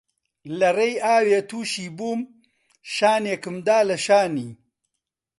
لە ڕێی ئاوێ تووشی بووم شانێکم دا لە شانی